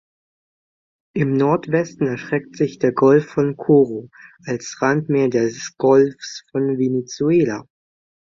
Im Nordwesten erstreckt sich der Golf von Coro als Randmeer des Golfs von Venezuela.